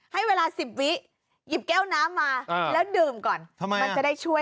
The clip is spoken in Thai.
ให้เวลา๑๐วิหยิบแก้วน้ำมาแล้วดื่มก่อนทำไมมันจะได้ช่วย